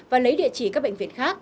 và lấy địa chỉ các bệnh viện khác